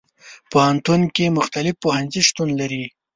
پوهنتون کې مختلف پوهنځي شتون لري.